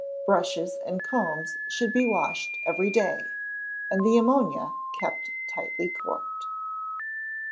Brushes and combs should be washed every day, and the ammonia kept tightly corked.